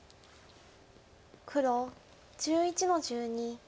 黒１１の十二ハネ。